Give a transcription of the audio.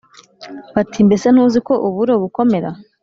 bati: “mbese ntuzi ko uburo bukomera?”